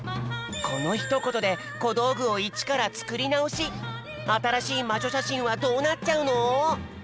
このひとことでこどうぐをいちからあたらしいまじょしゃしんはどうなっちゃうの！？